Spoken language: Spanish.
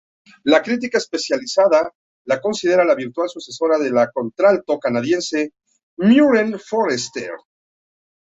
La crítica especializada la considera la virtual sucesora de la contralto canadiense Maureen Forrester.